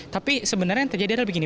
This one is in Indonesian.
tapi sebenarnya yang terjadi adalah begini